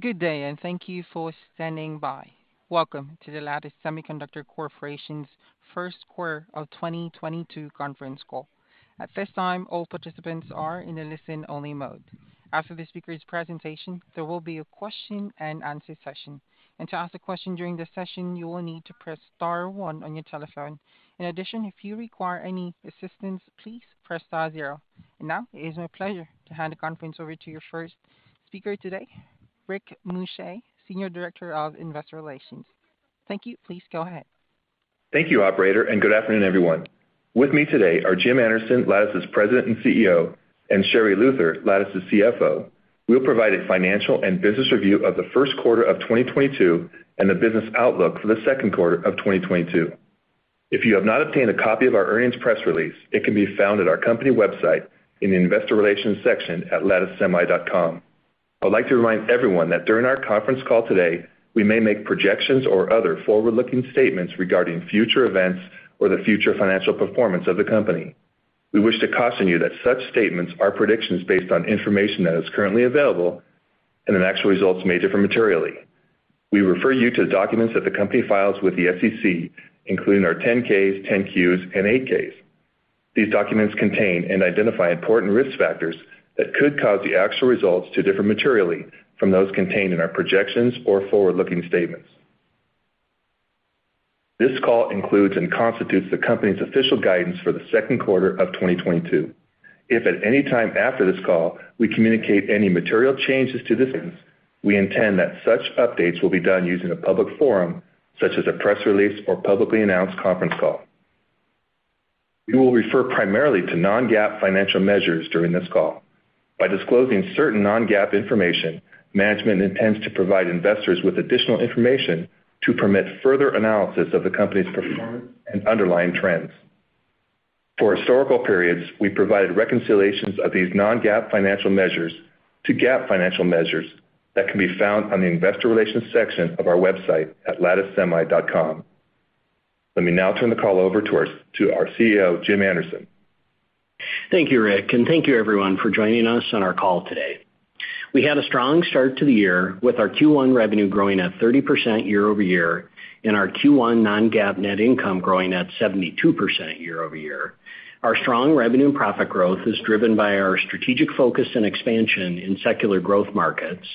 Good day, and thank you for standing by. Welcome to the Lattice Semiconductor Corporation's first quarter of 2022 conference call. At this time, all participants are in a listen-only mode. After the speakers' presentation, there will be a question-and-answer session. To ask a question during the session, you will need to press star one on your telephone. In addition, if you require any assistance, please press star zero. Now, it is my pleasure to hand the conference over to your first speaker today, Rick Muscha, Senior Director of Investor Relations. Thank you. Please go ahead. Thank you, operator, and good afternoon, everyone. With me today are Jim Anderson, Lattice's President and CEO, and Sherri Luther, Lattice's CFO. We'll provide a financial and business review of the first quarter of 2022 and the business outlook for the second quarter of 2022. If you have not obtained a copy of our earnings press release, it can be found at our company website in the investor relations section at latticesemi.com. I'd like to remind everyone that during our conference call today, we may make projections or other forward-looking statements regarding future events or the future financial performance of the company. We wish to caution you that such statements are predictions based on information that is currently available and that actual results may differ materially. We refer you to documents that the company files with the SEC, including our 10-Ks, 10-Qs, and 8-Ks. These documents contain and identify important risk factors that could cause the actual results to differ materially from those contained in our projections or forward-looking statements. This call includes and constitutes the company's official guidance for the second quarter of 2022. If at any time after this call we communicate any material changes to this, we intend that such updates will be done using a public forum such as a press release or publicly announced conference call. We will refer primarily to non-GAAP financial measures during this call. By disclosing certain non-GAAP information, management intends to provide investors with additional information to permit further analysis of the company's performance and underlying trends. For historical periods, we provided reconciliations of these non-GAAP financial measures to GAAP financial measures that can be found on the investor relations section of our website at latticesemi.com. Let me now turn the call over to our CEO, Jim Anderson. Thank you, Rick, and thank you everyone for joining us on our call today. We had a strong start to the year with our Q1 revenue growing at 30% year-over-year and our Q1 non-GAAP net income growing at 72% year-over-year. Our strong revenue and profit growth is driven by our strategic focus and expansion in secular growth markets,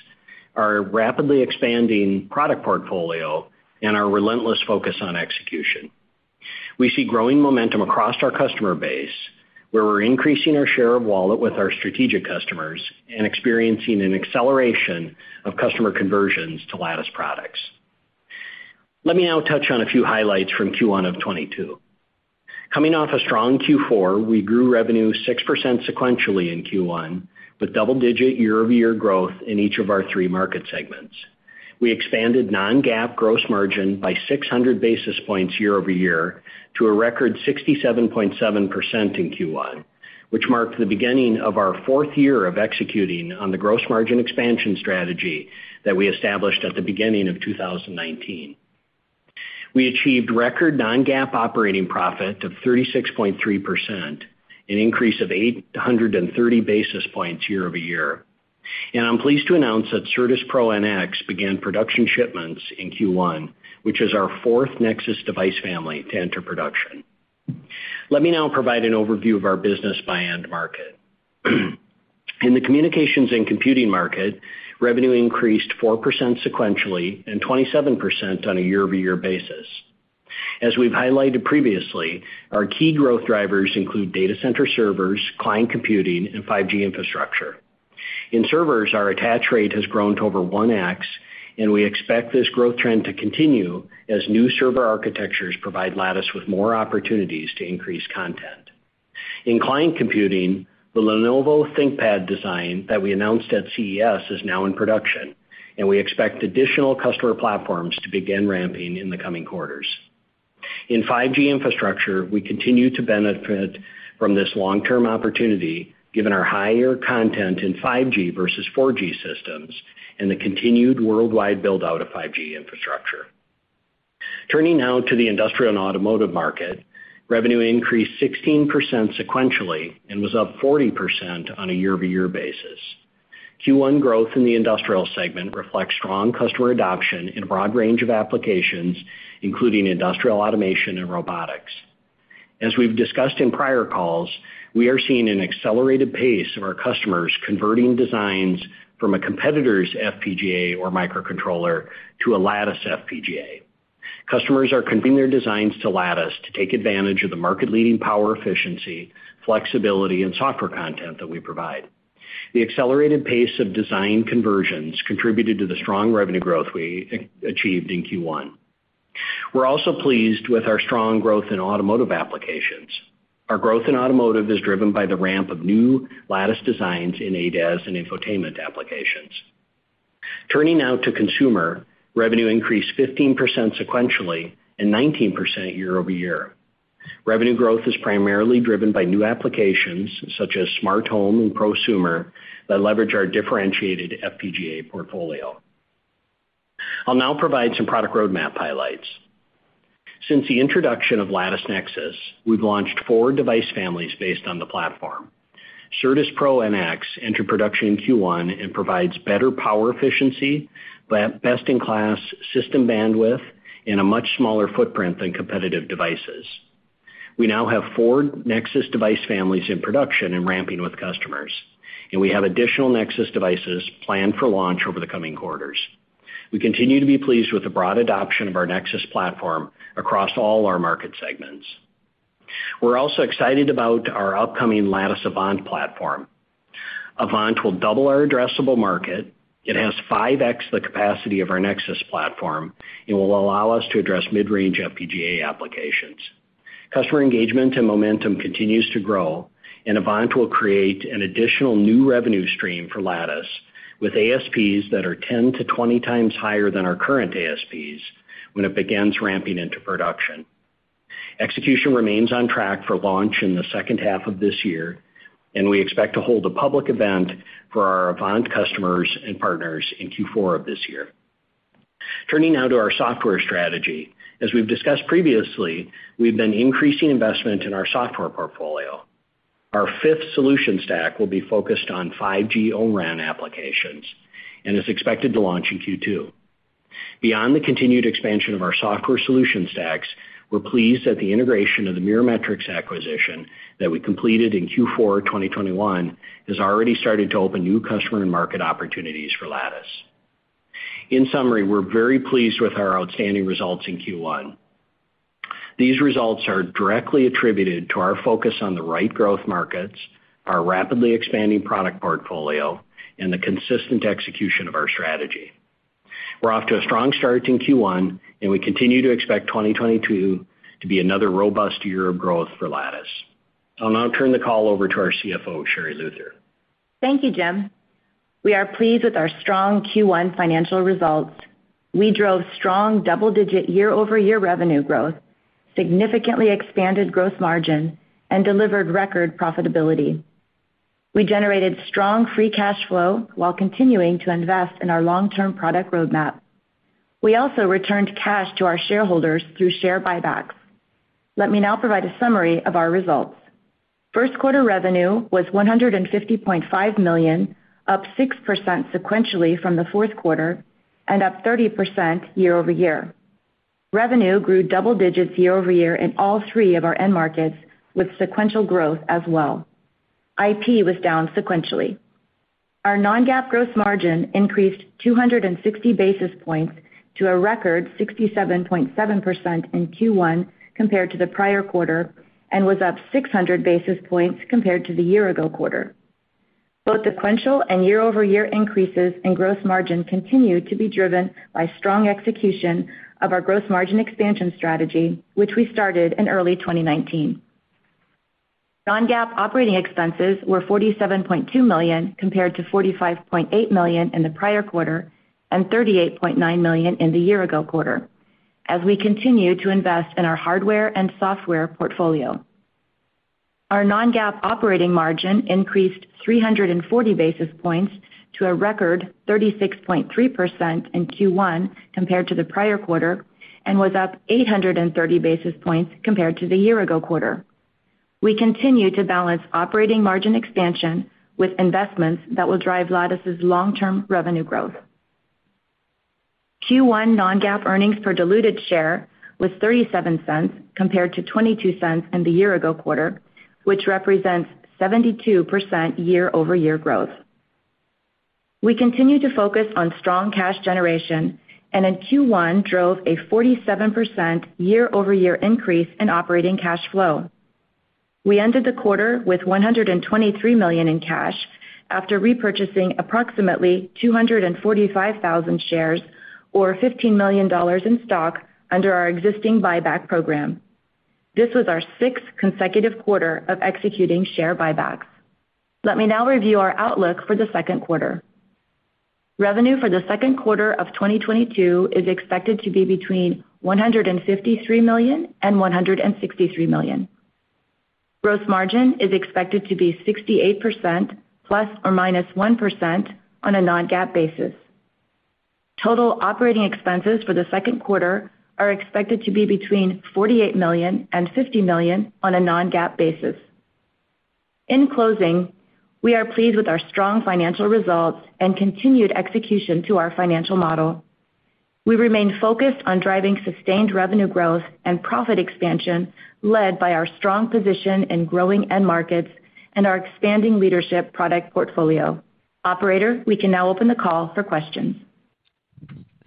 our rapidly expanding product portfolio, and our relentless focus on execution. We see growing momentum across our customer base, where we're increasing our share of wallet with our strategic customers and experiencing an acceleration of customer conversions to Lattice products. Let me now touch on a few highlights from Q1 of 2022. Coming off a strong Q4, we grew revenue 6% sequentially in Q1, with double-digit year-over-year growth in each of our three market segments. We expanded non-GAAP gross margin by 600 basis points year-over-year to a record 67.7% in Q1, which marked the beginning of our fourth year of executing on the gross margin expansion strategy that we established at the beginning of 2019. We achieved record non-GAAP operating profit of 36.3%, an increase of 830 basis points year-over-year. I'm pleased to announce that CertusPro-NX began production shipments in Q1, which is our fourth Nexus device family to enter production. Let me now provide an overview of our business by end market. In the communications and computing market, revenue increased 4% sequentially and 27% on a year-over-year basis. As we've highlighted previously, our key growth drivers include data center servers, client computing, and 5G infrastructure. In servers, our attach rate has grown to over 1x, and we expect this growth trend to continue as new server architectures provide Lattice with more opportunities to increase content. In client computing, the Lenovo ThinkPad design that we announced at CES is now in production, and we expect additional customer platforms to begin ramping in the coming quarters. In 5G infrastructure, we continue to benefit from this long-term opportunity given our higher content in 5G versus 4G systems and the continued worldwide build-out of 5G infrastructure. Turning now to the industrial and automotive market, revenue increased 16% sequentially and was up 40% on a year-over-year basis. Q1 growth in the industrial segment reflects strong customer adoption in a broad range of applications, including industrial automation and robotics. As we've discussed in prior calls, we are seeing an accelerated pace of our customers converting designs from a competitor's FPGA or microcontroller to a Lattice FPGA. Customers are converting their designs to Lattice to take advantage of the market-leading power efficiency, flexibility, and software content that we provide. The accelerated pace of design conversions contributed to the strong revenue growth we achieved in Q1. We're also pleased with our strong growth in automotive applications. Our growth in automotive is driven by the ramp of new Lattice designs in ADAS and infotainment applications. Turning now to consumer, revenue increased 15% sequentially and 19% year-over-year. Revenue growth is primarily driven by new applications such as smart home and prosumer that leverage our differentiated FPGA portfolio. I'll now provide some product roadmap highlights. Since the introduction of Lattice Nexus, we've launched four device families based on the platform. CertusPro-NX entered production in Q1 and provides better power efficiency, best-in-class system bandwidth, and a much smaller footprint than competitive devices. We now have 4 Nexus device families in production and ramping with customers, and we have additional Nexus devices planned for launch over the coming quarters. We continue to be pleased with the broad adoption of our Nexus platform across all our market segments. We're also excited about our upcoming Lattice Avant platform. Avant will double our addressable market. It has 5x the capacity of our Nexus platform and will allow us to address mid-range FPGA applications. Customer engagement and momentum continues to grow, and Avant will create an additional new revenue stream for Lattice, with ASPs that are 10-20 times higher than our current ASPs when it begins ramping into production. Execution remains on track for launch in the second half of this year, and we expect to hold a public event for our Avant customers and partners in Q4 of this year. Turning now to our software strategy. As we've discussed previously, we've been increasing investment in our software portfolio. Our fifth solution stack will be focused on 5G O-RAN applications and is expected to launch in Q2. Beyond the continued expansion of our software solution stacks, we're pleased that the integration of the Mirametrix acquisition that we completed in Q4 2021 has already started to open new customer and market opportunities for Lattice. In summary, we're very pleased with our outstanding results in Q1. These results are directly attributed to our focus on the right growth markets, our rapidly expanding product portfolio, and the consistent execution of our strategy. We're off to a strong start in Q1, and we continue to expect 2022 to be another robust year of growth for Lattice. I'll now turn the call over to our CFO, Sherri Luther. Thank you, Jim. We are pleased with our strong Q1 financial results. We drove strong double-digit year-over-year revenue growth, significantly expanded gross margin, and delivered record profitability. We generated strong free cash flow while continuing to invest in our long-term product roadmap. We also returned cash to our shareholders through share buybacks. Let me now provide a summary of our results. First quarter revenue was $150.5 million, up 6% sequentially from the fourth quarter and up 30% year-over-year. Revenue grew double digits year-over-year in all three of our end markets, with sequential growth as well. IP was down sequentially. Our non-GAAP gross margin increased 260 basis points to a record 67.7% in Q1 compared to the prior quarter, and was up 600 basis points compared to the year-ago quarter. Both sequential and year-over-year increases in gross margin continued to be driven by strong execution of our gross margin expansion strategy, which we started in early 2019. Non-GAAP operating expenses were $47.2 million, compared to $45.8 million in the prior quarter and $38.9 million in the year-ago quarter, as we continue to invest in our hardware and software portfolio. Our non-GAAP operating margin increased 340 basis points to a record 36.3% in Q1 compared to the prior quarter, and was up 830 basis points compared to the year-ago quarter. We continue to balance operating margin expansion with investments that will drive Lattice's long-term revenue growth. Q1 non-GAAP earnings per diluted share was $0.37 compared to $0.22 in the year-ago quarter, which represents 72% year-over-year growth. We continue to focus on strong cash generation and in Q1 drove a 47% year-over-year increase in operating cash flow. We ended the quarter with $123 million in cash after repurchasing approximately 245,000 shares or $15 million in stock under our existing buyback program. This was our sixth consecutive quarter of executing share buybacks. Let me now review our outlook for the second quarter. Revenue for the second quarter of 2022 is expected to be between $153 million and $163 million. Gross margin is expected to be 68% ±1% on a non-GAAP basis. Total operating expenses for the second quarter are expected to be between $48 million and $50 million on a non-GAAP basis. In closing, we are pleased with our strong financial results and continued execution to our financial model. We remain focused on driving sustained revenue growth and profit expansion, led by our strong position in growing end markets and our expanding leadership product portfolio. Operator, we can now open the call for questions.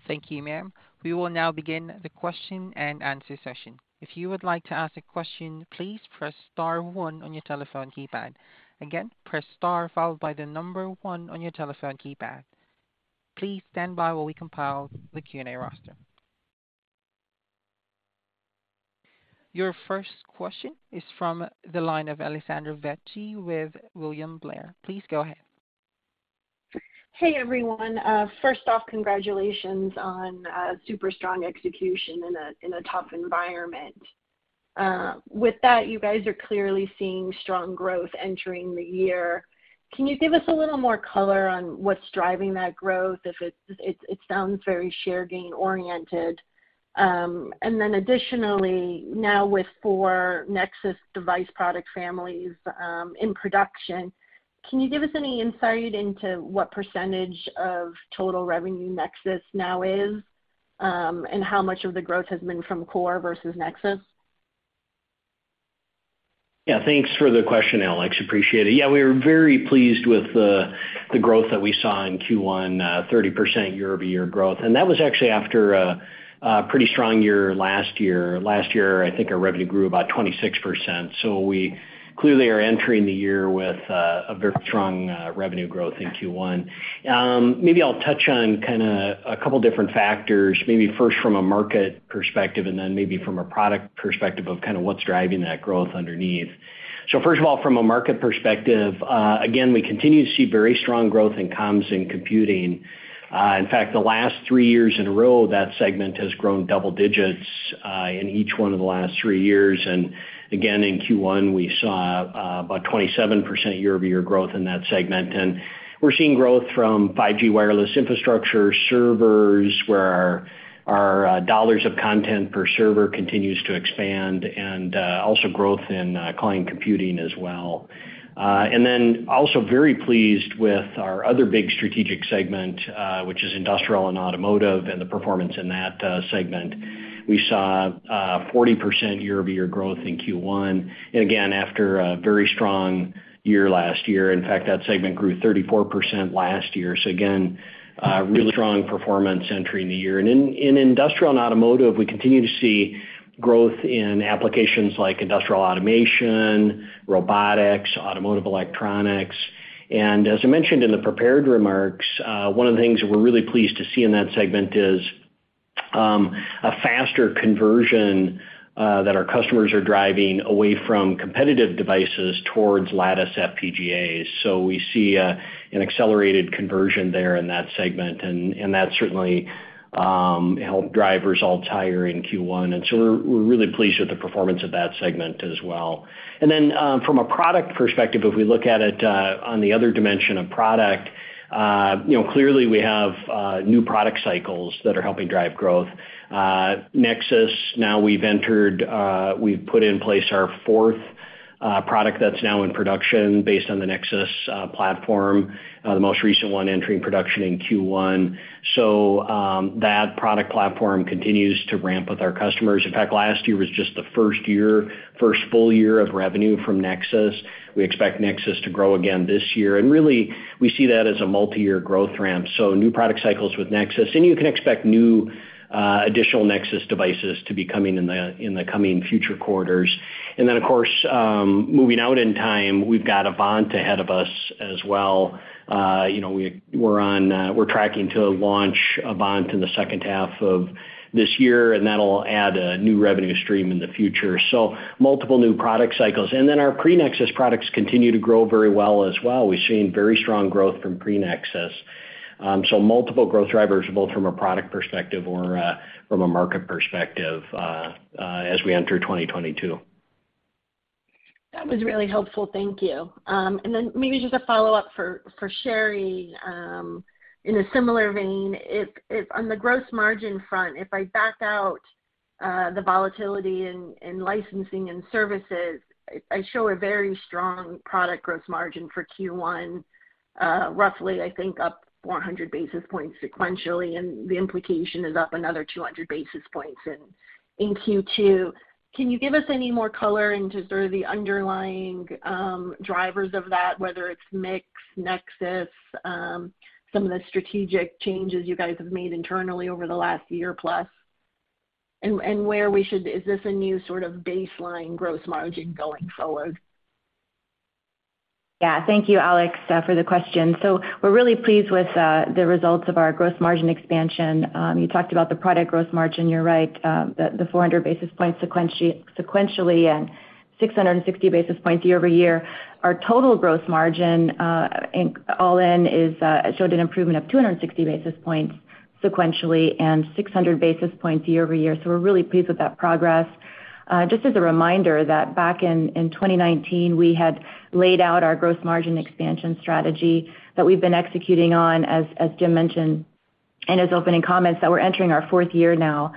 Thank you, ma'am. We will now begin the question and answer session. If you would like to ask a question, please press star one on your telephone keypad. Again, press star followed by the number one on your telephone keypad. Please stand by while we compile the Q&A roster. Your first question is from the line of Alessandra Vecchi with William Blair. Please go ahead. Hey, everyone. First off, congratulations on super strong execution in a tough environment. With that, you guys are clearly seeing strong growth entering the year. Can you give us a little more color on what's driving that growth if it sounds very share gain oriented. Additionally, now with four Nexus device product families in production, can you give us any insight into what percentage of total revenue Nexus now is, and how much of the growth has been from core versus Nexus? Yeah, thanks for the question, Ales. Appreciate it. Yeah, we are very pleased with the growth that we saw in Q1, 30% year-over-year growth. That was actually after a pretty strong year last year. Last year, I think our revenue grew about 26%. We clearly are entering the year with a very strong revenue growth in Q1. Maybe I'll touch on kinda a couple different factors, maybe first from a market perspective and then maybe from a product perspective of kind of what's driving that growth underneath. First of all, from a market perspective, again, we continue to see very strong growth in comms and computing. In fact, the last three years in a row, that segment has grown double digits in each one of the last three years. In Q1, we saw about 27% year-over-year growth in that segment. We're seeing growth from 5G wireless infrastructure, servers, where our dollars of content per server continues to expand, and also growth in client computing as well. We're very pleased with our other big strategic segment, which is industrial and automotive and the performance in that segment. We saw 40% year-over-year growth in Q1. After a very strong year last year, in fact, that segment grew 34% last year. Again, a really strong performance entering the year. In industrial and automotive, we continue to see growth in applications like industrial automation, robotics, automotive electronics. As I mentioned in the prepared remarks, one of the things we're really pleased to see in that segment is a faster conversion that our customers are driving away from competitive devices towards Lattice FPGAs. We see an accelerated conversion there in that segment, and that certainly helped drive results higher in Q1. We're really pleased with the performance of that segment as well. From a product perspective, if we look at it on the other dimension of product, you know, clearly we have new product cycles that are helping drive growth. Nexus, now we've entered, we've put in place our fourth product that's now in production based on the Nexus platform, the most recent one entering production in Q1. That product platform continues to ramp with our customers. In fact, last year was just the first full year of revenue from Nexus. We expect Nexus to grow again this year. Really, we see that as a multi-year growth ramp, so new product cycles with Nexus. You can expect new, additional Nexus devices to be coming in the coming future quarters. Then, of course, moving out in time, we've got Avant ahead of us as well. You know, we're tracking to launch Avant in the second half of this year, and that'll add a new revenue stream in the future. Multiple new product cycles. Then our pre-Nexus products continue to grow very well as well. We've seen very strong growth from pre-Nexus. Multiple growth drivers, both from a product perspective or from a market perspective, as we enter 2022. That was really helpful. Thank you. Maybe just a follow-up for Sherri in a similar vein. If on the gross margin front, if I back out the volatility in licensing and services, I show a very strong product gross margin for Q1, roughly, I think up 400 basis points sequentially, and the implication is up another 200 basis points in Q2. Can you give us any more color into sort of the underlying drivers of that, whether it's mix, Nexus, some of the strategic changes you guys have made internally over the last year plus, and where we should. Is this a new sort of baseline gross margin going forward? Yeah. Thank you, Alex, for the question. We're really pleased with the results of our gross margin expansion. You talked about the product gross margin, you're right, the 400 basis points sequentially and 660 basis points year-over-year. Our total gross margin all in showed an improvement of 260 basis points sequentially and 600 basis points year-over-year. We're really pleased with that progress. Just as a reminder that back in 2019, we had laid out our gross margin expansion strategy that we've been executing on, as Jim mentioned in his opening comments, that we're entering our fourth year now.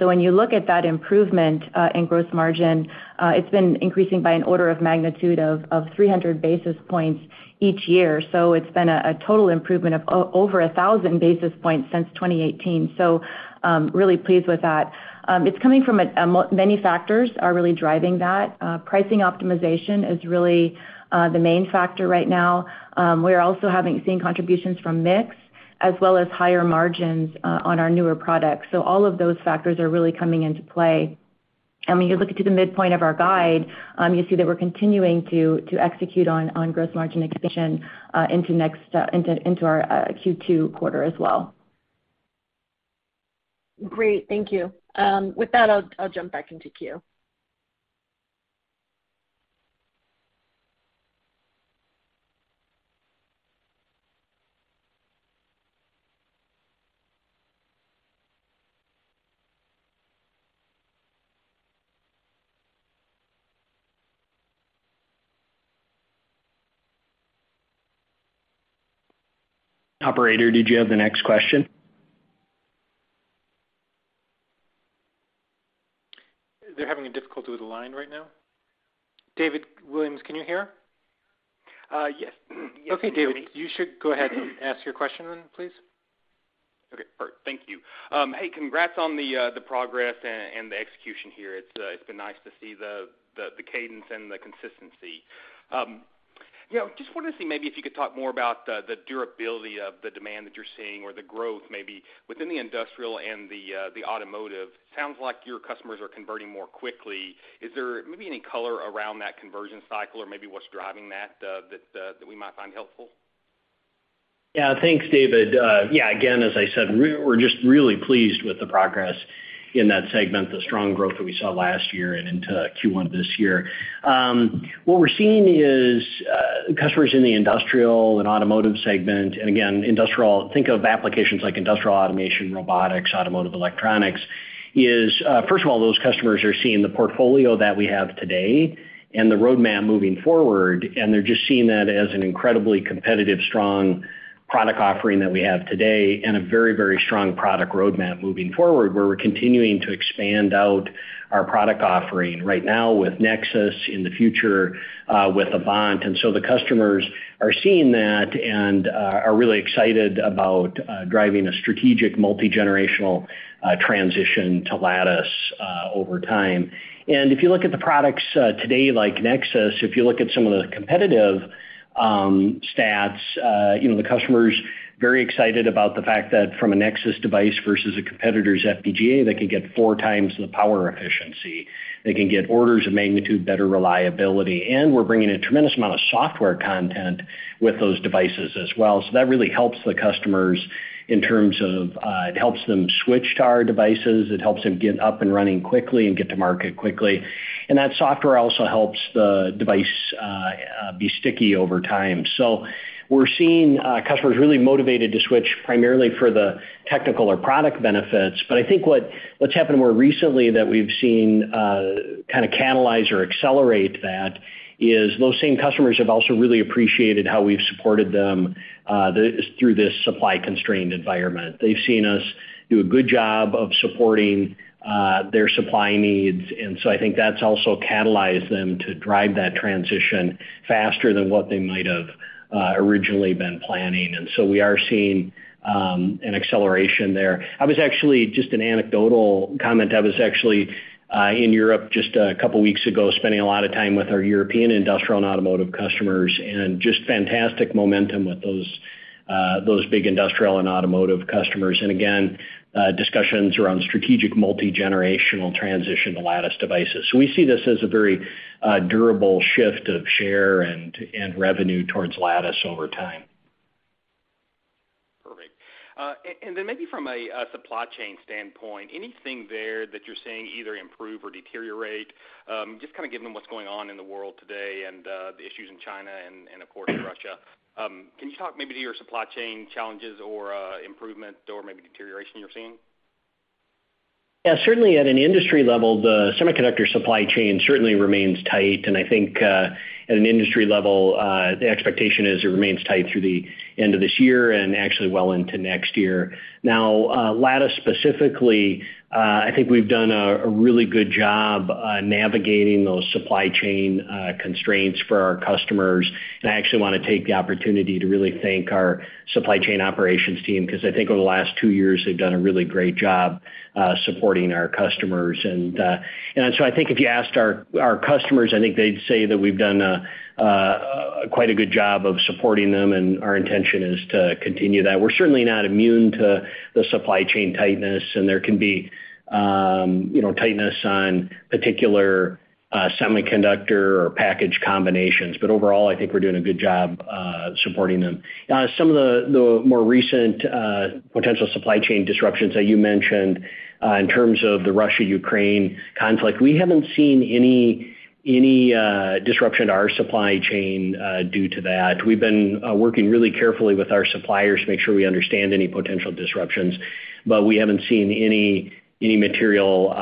When you look at that improvement in gross margin, it's been increasing by an order of magnitude of 300 basis points each year. It's been a total improvement of over 1,000 basis points since 2018. Really pleased with that. Many factors are really driving that. Pricing optimization is really the main factor right now. We're also seeing contributions from mix as well as higher margins on our newer products. All of those factors are really coming into play. When you look to the midpoint of our guide, you see that we're continuing to execute on gross margin expansion into our Q2 quarter as well. Great. Thank you. With that, I'll jump back into queue. Operator, did you have the next question? They're having a difficulty with the line right now. David Williams, can you hear? Yes. Yes, I can hear you. Okay, David, you should go ahead and ask your question then, please. Okay, perfect. Thank you. Hey, congrats on the progress and the execution here. It's been nice to see the cadence and the consistency. You know, just wanted to see maybe if you could talk more about the durability of the demand that you're seeing or the growth maybe within the industrial and the automotive. Sounds like your customers are converting more quickly. Is there maybe any color around that conversion cycle or maybe what's driving that we might find helpful? Yeah. Thanks, David. Yeah, again, as I said, we're just really pleased with the progress in that segment, the strong growth that we saw last year and into Q1 this year. What we're seeing is customers in the industrial and automotive segment, and again, industrial, think of applications like industrial automation, robotics, automotive electronics. First of all, those customers are seeing the portfolio that we have today and the roadmap moving forward, and they're just seeing that as an incredibly competitive, strong product offering that we have today and a very, very strong product roadmap moving forward, where we're continuing to expand out our product offering right now with Nexus, in the future with Avant. The customers are seeing that and are really excited about driving a strategic multi-generational transition to Lattice over time. If you look at the products today, like Nexus, if you look at some of the competitive stats, you know, the customers are very excited about the fact that from a Nexus device versus a competitor's FPGA, they can get four times the power efficiency. They can get orders of magnitude better reliability, and we're bringing a tremendous amount of software content with those devices as well. That really helps the customers in terms of it helps them switch to our devices, it helps them get up and running quickly and get to market quickly. That software also helps the device be sticky over time. We're seeing customers really motivated to switch primarily for the technical or product benefits. I think what's happened more recently that we've seen kind of catalyze or accelerate that is those same customers have also really appreciated how we've supported them through this supply-constrained environment. They've seen us do a good job of supporting their supply needs, and so I think that's also catalyzed them to drive that transition faster than what they might have originally been planning. We are seeing an acceleration there. I was actually in Europe just a couple weeks ago, spending a lot of time with our European industrial and automotive customers, and just fantastic momentum with those big industrial and automotive customers. Again, discussions around strategic multi-generational transition to Lattice devices. We see this as a very durable shift of share and revenue towards Lattice over time. Perfect. Maybe from a supply chain standpoint, anything there that you're seeing either improve or deteriorate? Just kind of given what's going on in the world today and the issues in China and of course Russia. Can you talk maybe to your supply chain challenges or improvement or maybe deterioration you're seeing? Yeah. Certainly at an industry level, the semiconductor supply chain certainly remains tight. I think at an industry level the expectation is it remains tight through the end of this year and actually well into next year. Now Lattice specifically I think we've done a really good job navigating those supply chain constraints for our customers. I actually wanna take the opportunity to really thank our supply chain operations team, 'cause I think over the last two years they've done a really great job supporting our customers. So I think if you asked our customers I think they'd say that we've done a quite good job of supporting them, and our intention is to continue that. We're certainly not immune to the supply chain tightness, and there can be, you know, tightness on particular semiconductor or package combinations. Overall, I think we're doing a good job supporting them. Some of the more recent potential supply chain disruptions that you mentioned in terms of the Russia-Ukraine conflict, we haven't seen any disruption to our supply chain due to that. We've been working really carefully with our suppliers to make sure we understand any potential disruptions, but we haven't seen any material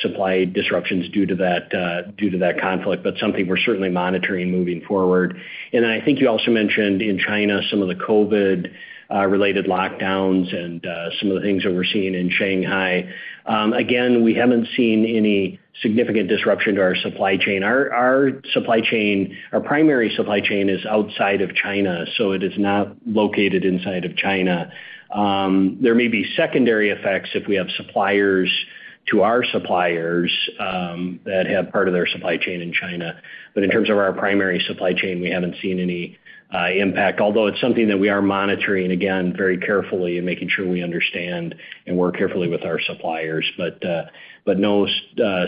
supply disruptions due to that conflict. Something we're certainly monitoring moving forward. I think you also mentioned in China some of the COVID related lockdowns and some of the things that we're seeing in Shanghai. Again, we haven't seen any significant disruption to our supply chain. Our supply chain, our primary supply chain is outside of China, so it is not located inside of China. There may be secondary effects if we have suppliers to our suppliers that have part of their supply chain in China. In terms of our primary supply chain, we haven't seen any impact. Although it's something that we are monitoring, again, very carefully and making sure we understand and work carefully with our suppliers. No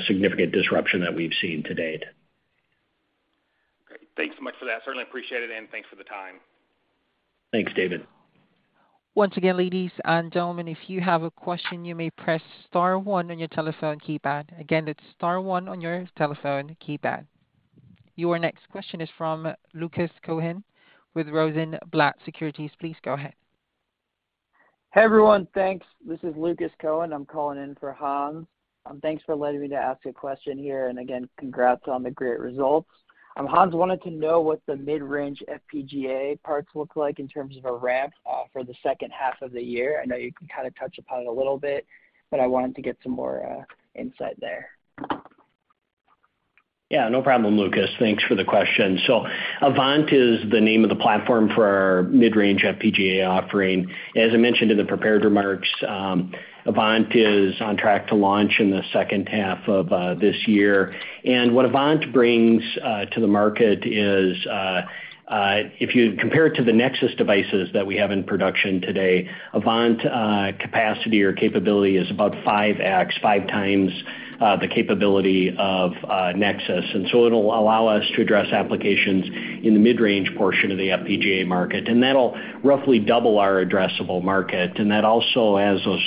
significant disruption that we've seen to date. Great. Thanks so much for that. Certainly appreciate it, and thanks for the time. Thanks, David. Once again, ladies and gentlemen, if you have a question, you may press star one on your telephone keypad. Again, that's star one on your telephone keypad. Your next question is from Lucas Cohen with Rosenblatt Securities. Please go ahead. Hey, everyone. Thanks. This is Lucas Cohen. I'm calling in for Hans. Thanks for letting me ask a question here, and again, congrats on the great results. Hans wanted to know what the mid-range FPGA parts look like in terms of a ramp for the second half of the year. I know you can kind of touch upon it a little bit, but I wanted to get some more insight there. Yeah, no problem, Hans. Thanks for the question. Avant is the name of the platform for our mid-range FPGA offering. As I mentioned in the prepared remarks, Avant is on track to launch in the second half of this year. What Avant brings to the market is, if you compare it to the Nexus devices that we have in production today, Avant capacity or capability is about 5 times the capability of Nexus. It'll allow us to address applications in the mid-range portion of the FPGA market. That'll roughly double our addressable market. That also, as those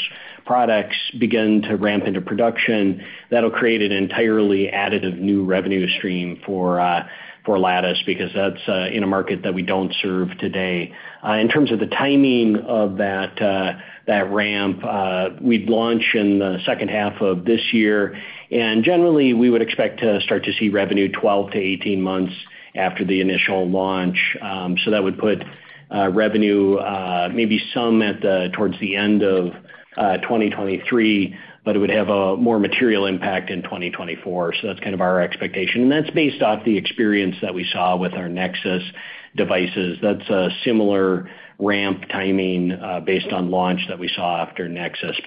products begin to ramp into production, that'll create an entirely additive new revenue stream for Lattice, because that's in a market that we don't serve today. In terms of the timing of that ramp, we'd launch in the second half of this year, and generally, we would expect to start to see revenue 12-18 months after the initial launch. That would put revenue maybe some towards the end of 2023, but it would have a more material impact in 2024. That's kind of our expectation. That's based off the experience that we saw with our Nexus devices. That's a similar ramp timing based on launch that we saw after Nexus.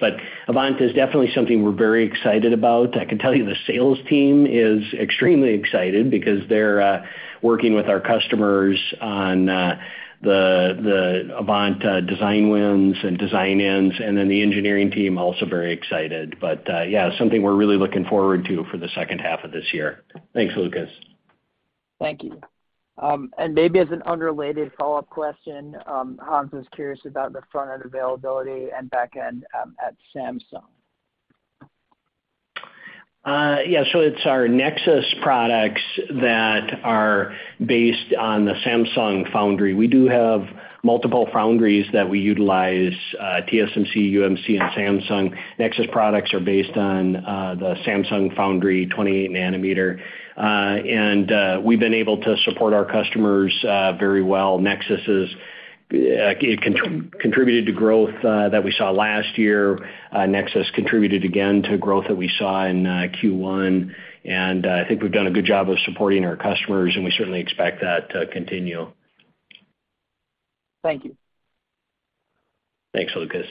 Avant is definitely something we're very excited about. I can tell you the sales team is extremely excited because they're working with our customers on the Avant design wins and design-ins, and then the engineering team also very excited. Yeah, something we're really looking forward to for the second half of this year. Thanks, Hans Mosesmann. Thank you. Maybe as an unrelated follow-up question, Hans was curious about the front-end availability and back-end at Samsung. It's our Nexus products that are based on the Samsung Foundry. We have multiple foundries that we utilize, TSMC, UMC and Samsung. Nexus products are based on the Samsung Foundry 28-nanometer. We've been able to support our customers very well. Nexus contributed to growth that we saw last year. Nexus contributed again to growth that we saw in Q1. I think we've done a good job of supporting our customers, and we certainly expect that to continue. Thank you. Thanks, Hans Mosesmann.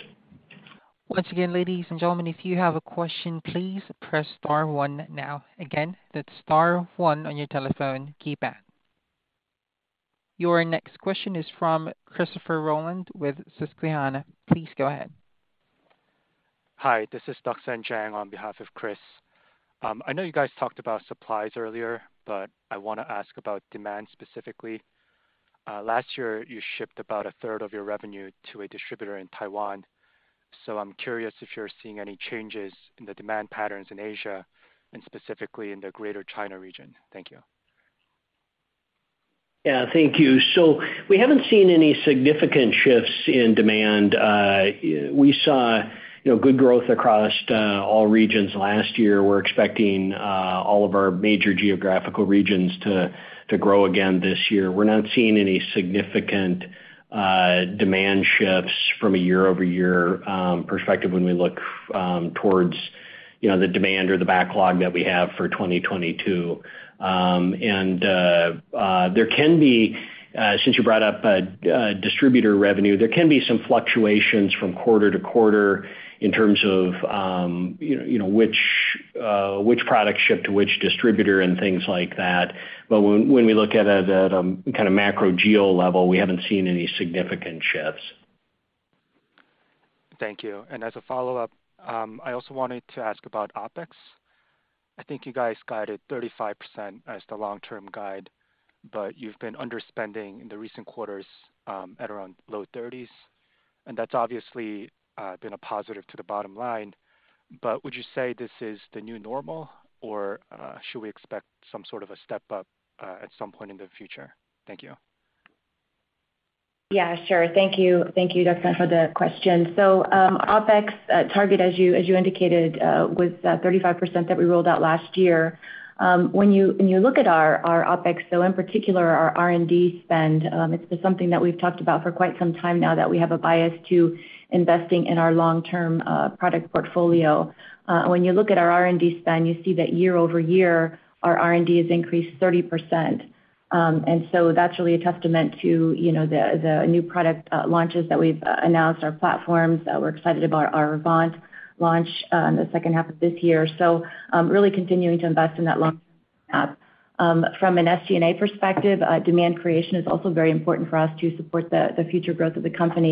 Once again, ladies and gentlemen, if you have a question, please press star one now. Again, that's star one on your telephone keypad. Your next question is from Christopher Rolland with Susquehanna. Please go ahead. Hi, this is Duksan Jang on behalf of Chris. I know you guys talked about supplies earlier, but I wanna ask about demand specifically. Last year, you shipped about 1/3 of your revenue to a distributor in Taiwan. I'm curious if you're seeing any changes in the demand patterns in Asia and specifically in the Greater China region. Thank you. Yeah, thank you. So we haven't seen any significant shifts in demand. We saw, you know, good growth across all regions last year. We're expecting all of our major geographical regions to grow again this year. We're not seeing any significant demand shifts from a year-over-year perspective when we look towards, you know, the demand or the backlog that we have for 2022. There can be, since you brought up distributor revenue, some fluctuations from quarter to quarter in terms of, you know, which product ship to which distributor and things like that. When we look at kind of macro geo level, we haven't seen any significant shifts. Thank you. As a follow-up, I also wanted to ask about OpEx. I think you guys guided 35% as the long-term guide, but you've been underspending in the recent quarters, at around low 30s, and that's obviously been a positive to the bottom line. Would you say this is the new normal, or should we expect some sort of a step up, at some point in the future? Thank you. Yeah, sure. Thank you. Thank you, Duksan, for the question. OpEx target, as you indicated, was 35% that we rolled out last year. When you look at our OpEx, in particular our R&D spend, it's been something that we've talked about for quite some time now that we have a bias to investing in our long-term product portfolio. When you look at our R&D spend, you see that year-over-year, our R&D has increased 30%. That's really a testament to, you know, the new product launches that we've announced, our platforms that we're excited about, our Avant launch in the second half of this year. Really continuing to invest in that long-term app. From an SG&A perspective, demand creation is also very important for us to support the future growth of the company.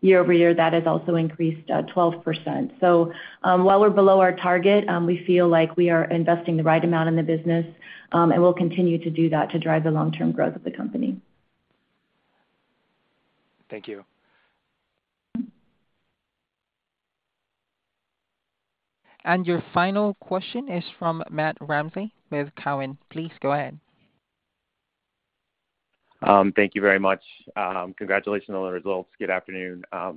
Year-over-year, that has also increased 12%. While we're below our target, we feel like we are investing the right amount in the business, and we'll continue to do that to drive the long-term growth of the company. Thank you. Your final question is from Matt Ramsay with Cowen. Please go ahead. Thank you very much. Congratulations on the results. Good afternoon. I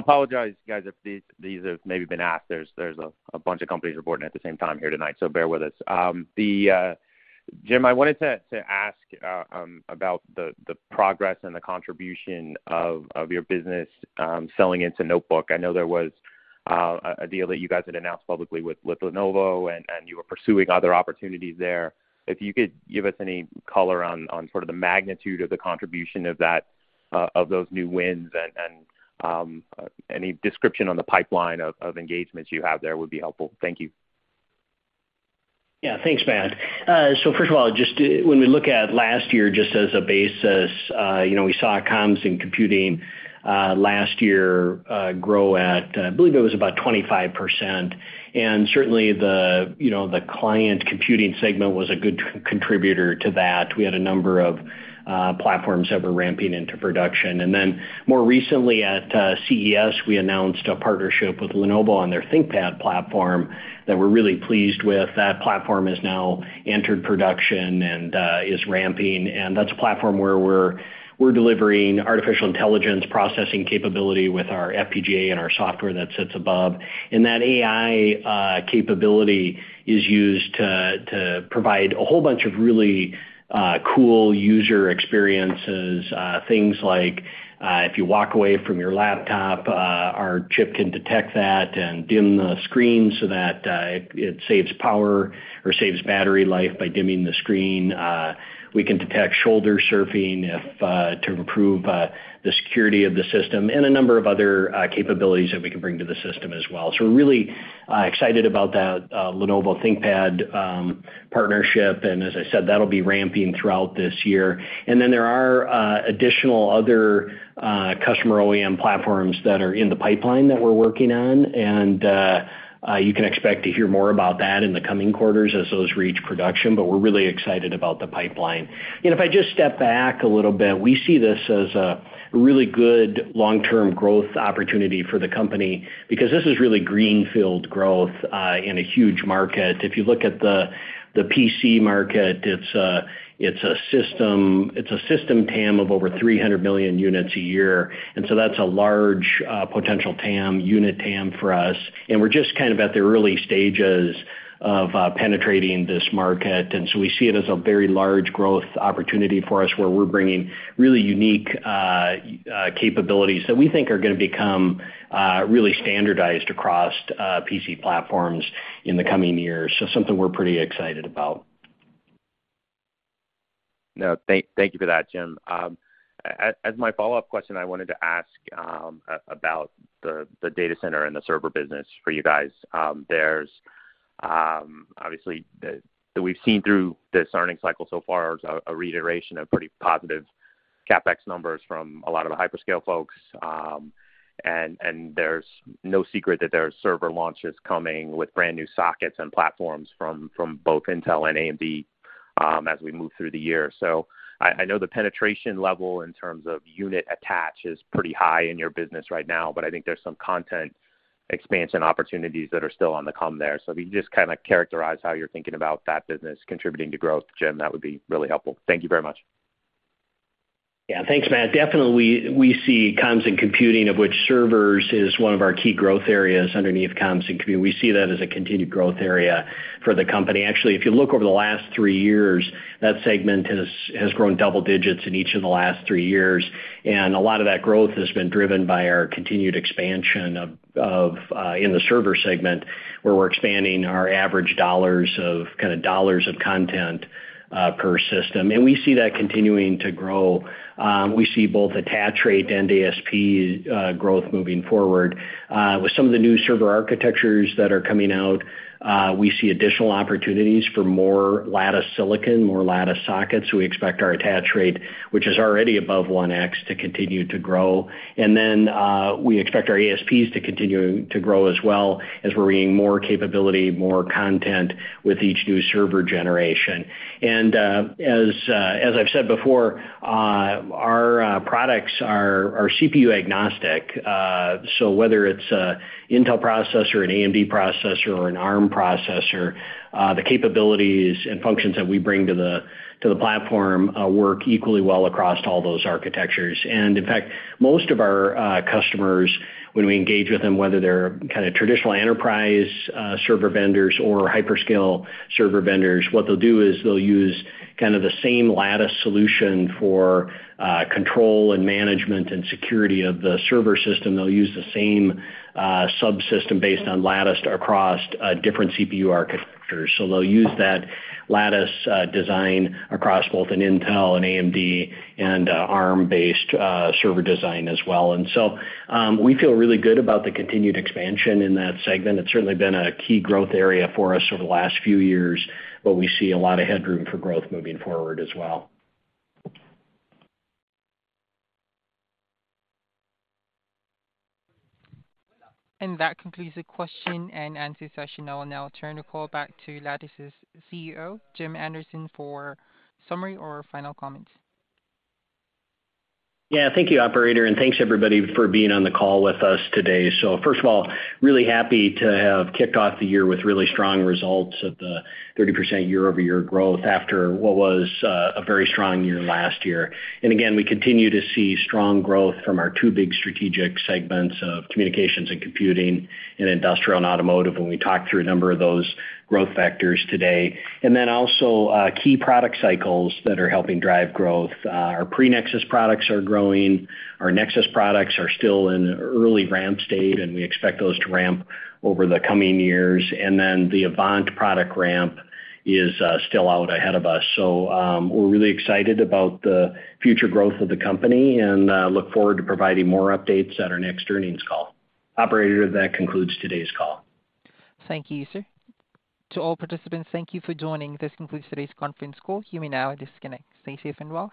apologize guys if these have maybe been asked. There's a bunch of companies reporting at the same time here tonight, so bear with us. Jim, I wanted to ask about the progress and the contribution of your business selling into notebook. I know there was a deal that you guys had announced publicly with Lenovo and you were pursuing other opportunities there. If you could give us any color on sort of the magnitude of the contribution of that of those new wins and any description on the pipeline of engagements you have there would be helpful. Thank you. Yeah. Thanks, Matt. First of all, just when we look at last year just as a basis, you know, we saw comms and computing last year grow at, I believe it was about 25%. Certainly the, you know, the client computing segment was a good contributor to that. We had a number of platforms that were ramping into production. Then more recently at CES, we announced a partnership with Lenovo on their ThinkPad platform that we're really pleased with. That platform has now entered production and is ramping. That's a platform where we're delivering artificial intelligence processing capability with our FPGA and our software that sits above. That AI capability is used to provide a whole bunch of really cool user experiences. Things like, if you walk away from your laptop, our chip can detect that and dim the screen so that it saves power or saves battery life by dimming the screen. We can detect shoulder surfing to improve the security of the system and a number of other capabilities that we can bring to the system as well. We're really excited about that Lenovo ThinkPad partnership. As I said, that'll be ramping throughout this year. There are additional other customer OEM platforms that are in the pipeline that we're working on. You can expect to hear more about that in the coming quarters as those reach production, but we're really excited about the pipeline. If I just step back a little bit, we see this as a really good long-term growth opportunity for the company because this is really greenfield growth in a huge market. If you look at the PC market, it's a system TAM of over 300 million units a year. That's a large potential TAM, unit TAM for us. We're just kind of at the early stages of penetrating this market. We see it as a very large growth opportunity for us, where we're bringing really unique capabilities that we think are gonna become really standardized across PC platforms in the coming years. Something we're pretty excited about. No, thank you for that, Jim. As my follow-up question, I wanted to ask about the data center and the server business for you guys. There's obviously that we've seen through this earnings cycle so far is a reiteration of pretty positive CapEx numbers from a lot of the hyperscale folks. There's no secret that there are server launches coming with brand-new sockets and platforms from both Intel and AMD as we move through the year. I know the penetration level in terms of unit attach is pretty high in your business right now, but I think there's some content expansion opportunities that are still on the come there. If you can just kinda characterize how you're thinking about that business contributing to growth, Jim, that would be really helpful. Thank you very much. Yeah. Thanks, Matt. Definitely we see comms and computing, of which servers is one of our key growth areas underneath comms and computing. We see that as a continued growth area for the company. Actually, if you look over the last three years, that segment has grown double digits in each of the last three years, and a lot of that growth has been driven by our continued expansion in the server segment, where we're expanding our average dollars of content per system. We see that continuing to grow. We see both attach rate and ASP growth moving forward. With some of the new server architectures that are coming out, we see additional opportunities for more Lattice silicon, more Lattice sockets. We expect our attach rate, which is already above 1x, to continue to grow. We expect our ASPs to continue to grow as well as we're bringing more capability, more content with each new server generation. As I've said before, our products are CPU-agnostic. Whether it's an Intel processor, an AMD processor, or an Arm processor, the capabilities and functions that we bring to the platform work equally well across all those architectures. In fact, most of our customers, when we engage with them, whether they're kinda traditional enterprise server vendors or hyperscale server vendors, what they'll do is they'll use kind of the same Lattice solution for control and management and security of the server system. They'll use the same subsystem based on Lattice across different CPU architectures. They'll use that Lattice design across both an Intel, an AMD, and a Arm-based server design as well. We feel really good about the continued expansion in that segment. It's certainly been a key growth area for us over the last few years, but we see a lot of headroom for growth moving forward as well. That concludes the question and answer session. I will now turn the call back to Lattice's CEO, Jim Anderson, for summary or final comments. Yeah. Thank you, operator, and thanks everybody for being on the call with us today. First of all, really happy to have kicked off the year with really strong results of the 30% year-over-year growth after what was, a very strong year last year. Again, we continue to see strong growth from our two big strategic segments of communications and computing and industrial and automotive, and we talked through a number of those growth factors today. Then also, key product cycles that are helping drive growth. Our Pre-Nexus products are growing. Our Nexus products are still in early ramp state, and we expect those to ramp over the coming years. Then the Avant product ramp is, still out ahead of us. We're really excited about the future growth of the company and look forward to providing more updates at our next earnings call. Operator, that concludes today's call. Thank you, sir. To all participants, thank you for joining. This concludes today's conference call. You may now disconnect. Stay safe and well.